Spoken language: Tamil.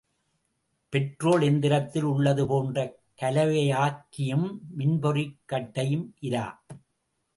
பெட்ரோல் எந்திரத்தில் உள்ளது போன்று கலவையாக் கியும், மின்பொறிக் கட்டையும் இரா.